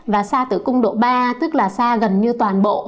và sa tử cung độ ba tức là sa gần như toàn bộ